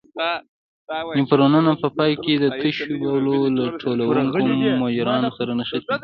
نفرونونه په پای کې د تشو بولو له ټولوونکو مجراوو سره نښتي دي.